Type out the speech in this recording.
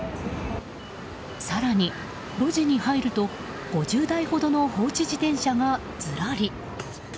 更に路地に入ると５０台ほどの放置自転車がずらり。